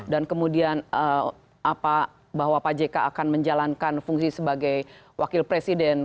dan kemudian bahwa pak jk akan menjalankan fungsi sebagai wakil presiden